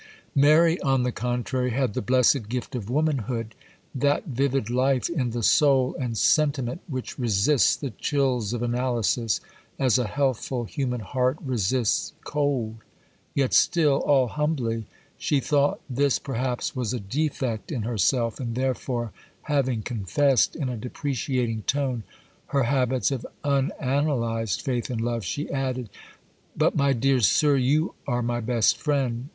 Mary, on the contrary, had the blessed gift of womanhood,—that vivid life in the soul and sentiment which resists the chills of analysis, as a healthful human heart resists cold; yet still, all humbly, she thought this perhaps was a defect in herself, and therefore, having confessed, in a depreciating tone, her habits of unanalysed faith and love, she added,— 'But, my dear sir, you are my best friend.